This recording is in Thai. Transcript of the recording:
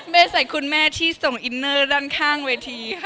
ใส่คุณแม่ที่ส่งอินเนอร์ด้านข้างเวทีค่ะ